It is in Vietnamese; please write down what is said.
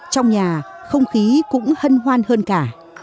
trong nhà không khí cũng hân hoan hơn cả